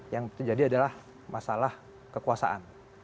yang terjadi adalah masalah kekuasaan